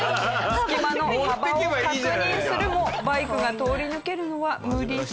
隙間の幅を確認するもバイクが通り抜けるのは無理そうです。